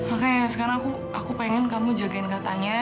oke sekarang aku pengen kamu jagain katanya